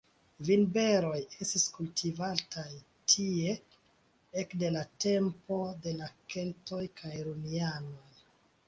Vinberoj estis kultivataj tie ekde la tempo de la keltoj kaj Romianoj.